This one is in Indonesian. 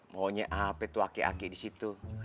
maunya apa itu aki aki di situ